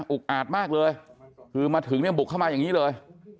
อาจมากเลยคือมาถึงเนี่ยบุกเข้ามาอย่างนี้เลย